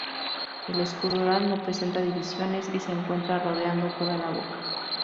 El escudo oral no presenta divisiones, y se encuentra rodeando toda la boca.